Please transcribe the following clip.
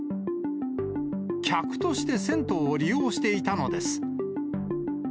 客として銭湯を利用していたのです。